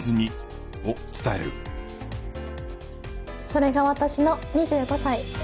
それが私の２５歳。